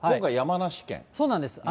そうなんです。